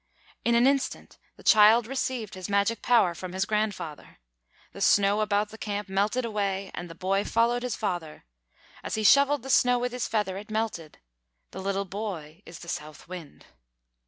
In an instant, the child received his magic power from his grandfather. The snow about the camp melted away, and the boy followed his father. As he shovelled the snow with his feather, it melted. The little boy is the South Wind.